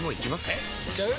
えいっちゃう？